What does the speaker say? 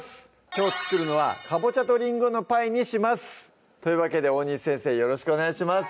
きょう作るのは「かぼちゃとリンゴのパイ」にします！というわけで大西先生よろしくお願いします